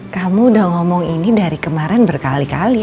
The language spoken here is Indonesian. kamu udah ngomong ini dari kemarin berkali kali